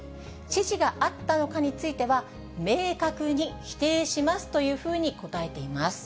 指示があったのかについては、明確に否定しますというふうに答えています。